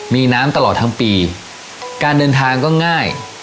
มีน้ำตลอดทั้งปีการเดินทางก็ง่าย